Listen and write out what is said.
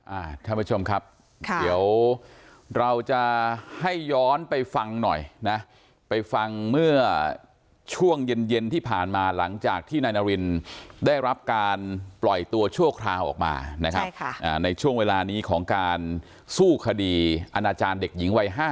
ท่านผู้ชมครับค่ะเดี๋ยวเราจะให้ย้อนไปฟังหน่อยนะไปฟังเมื่อช่วงเย็นเย็นที่ผ่านมาหลังจากที่นายนารินได้รับการปล่อยตัวชั่วคราวออกมานะครับใช่ค่ะอ่าในช่วงเวลานี้ของการสู้คดีอาณาจารย์เด็กหญิงวัยห้า